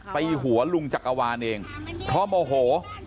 ตีหัวลุงจักรวาลเองเพราะโมโห